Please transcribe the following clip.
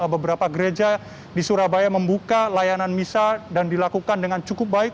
beberapa gereja di surabaya membuka layanan misa dan dilakukan dengan cukup baik